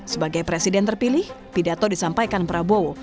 sebagai presiden terpilih pidato disampaikan prabowo